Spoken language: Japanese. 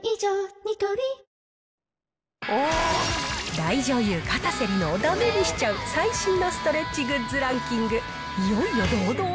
大女優、かたせ梨乃をだめにしちゃう、最新のストレッチグッズランキング。